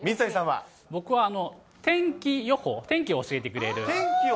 僕は、天気予報、天気を教えてくれる？